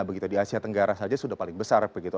begitu di asia tenggara saja sudah paling besar begitu